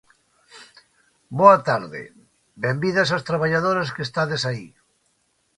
Boa tarde, benvidas as traballadoras que estades aí.